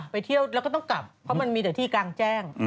ไปเที่ยวแล้วก็ต้องกลับเพราะมันมีแต่ที่กลางแจ้ง